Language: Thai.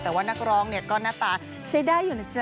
แต่ว่านักร้องเนี่ยก็หน้าตาใช้ได้อยู่นะจ๊